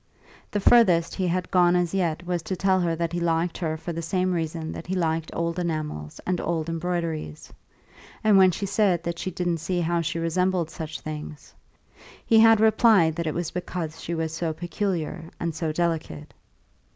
The furthest he had gone as yet was to tell her that he liked her for the same reason that he liked old enamels and old embroideries; and when she said that she didn't see how she resembled such things, he had replied that it was because she was so peculiar and so delicate.